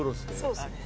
そうですね。